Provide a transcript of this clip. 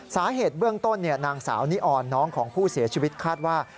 สาเหตุเบื้องต้นนางสาวนิออนน้องของผู้เสียชีวิตคาดว่า